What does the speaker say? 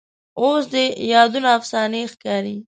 اوس دې یادونه افسانې ښکاري